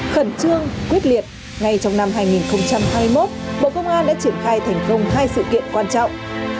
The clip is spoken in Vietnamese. khẩn trương quyết liệt ngay trong năm hai nghìn hai mươi một bộ công an đã triển khai thành công hai sự kiện quan trọng